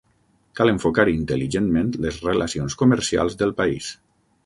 Cal enfocar intel·ligentment les relacions comercials del país.